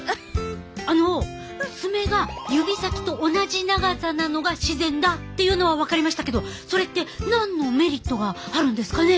あの爪が指先と同じ長さなのが自然だっていうのは分かりましたけどそれって何のメリットがあるんですかね？